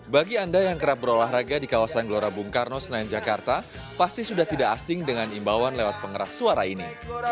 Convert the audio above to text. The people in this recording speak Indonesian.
bagi anda yang kerap berolahraga di kawasan gbk pasti sudah tidak asing dengan imbauan lewat pengeras suara ini